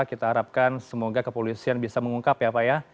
kita harapkan semoga kepolisian bisa mengungkap ya pak ya